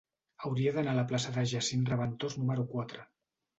Hauria d'anar a la plaça de Jacint Reventós número quatre.